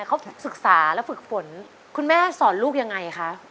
เขาฝึกฝนคุณแม่สอนลูกยังไงคะ